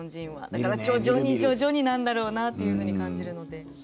だから徐々に徐々になんだろうなって感じるので。